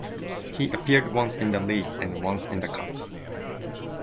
He appeared once in the league and once in the cup.